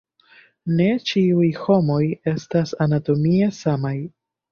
Ne ĉiuj homoj estas anatomie samaj.